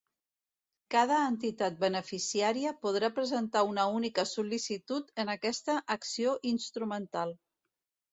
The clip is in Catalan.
Cada entitat beneficiària podrà presentar una única sol·licitud en aquesta acció instrumental.